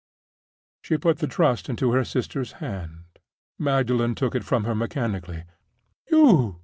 She put the Trust into her sister's hand. Magdalen took it from her mechanically. "You!"